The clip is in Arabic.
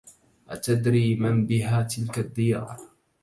أتدري من بها تلك الديار